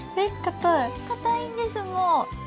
かたいんですもう。